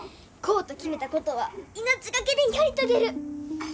こうと決めたことは命懸けでやり遂げる。